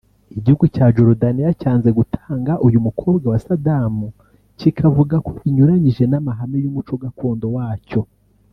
Igihugu cya Jorudaniya cyanze gutanga uyu mukobwa wa Saddam kikavuga ko binyuranyije n’ amahame y’ umuco gakondo wacyo